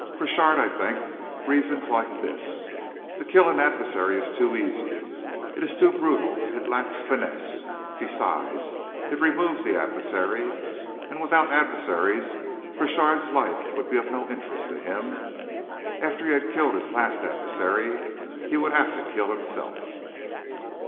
Crochard, I think, reasons like this; to kill an adversary is too easy; it is too brutal; it lacks finesse. Besides, it removes the adversary. And without adversaries, Crochard's life would be of no interest to him. After he had killed his last adversary, he would have to kill himself."